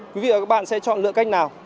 quý vị và các bạn sẽ chọn lựa cách nào